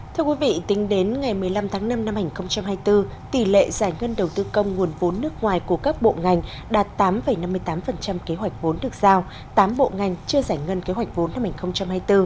thưa quý vị tính đến ngày một mươi năm tháng năm năm hai nghìn hai mươi bốn tỷ lệ giải ngân đầu tư công nguồn vốn nước ngoài của các bộ ngành đạt tám năm mươi tám kế hoạch vốn được giao tám bộ ngành chưa giải ngân kế hoạch vốn năm hai nghìn hai mươi bốn